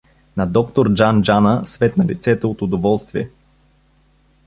На доктор Джан-Джана светна лицето от удоволствие.